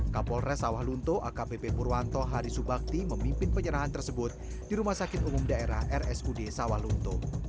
kapolres saulunto akpp purwanto harisubakti memimpin penyerahan tersebut di rumah sakit umum daerah rsud saulunto